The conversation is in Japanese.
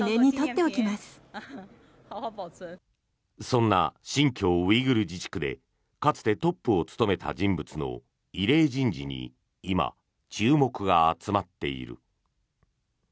そんな新疆ウイグル自治区でかつてトップを務めた人物の異例人事に今、注目が集まっている。